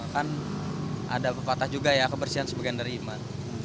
kan ada pepatah juga ya kebersihan sebagian dari iman